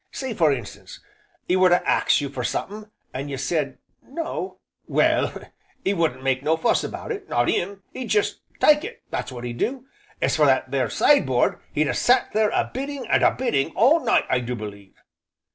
Say, for instance, 'e were to ax you for summat, an' you said 'No' well, 'e wouldn't make no fuss about it, not 'im, he'd jest take it, that's what he'd do. As for that there sideboard he'd a sat there a bidding and a bidding all night I do believe."